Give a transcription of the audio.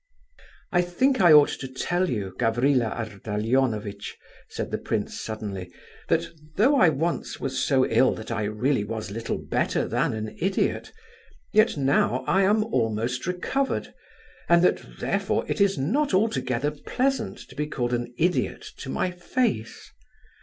"I think I ought to tell you, Gavrila Ardalionovitch," said the prince, suddenly, "that though I once was so ill that I really was little better than an idiot, yet now I am almost recovered, and that, therefore, it is not altogether pleasant to be called an idiot to my face.